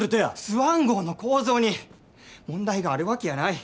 スワン号の構造に問題があるわけやない。